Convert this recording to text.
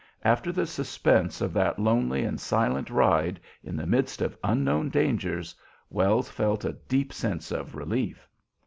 After the suspense of that lonely and silent ride, in the midst of unknown dangers, Wells felt a deep sense of relief.